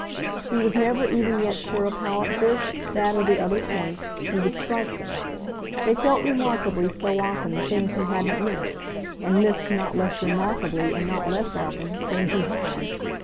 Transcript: He was never even yet sure of how, at this, that or the other point, he would strike them; they felt remarkably, so often, things he hadn't meant, and missed not less remarkably, and not less often, things he had.